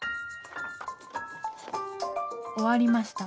終わりました。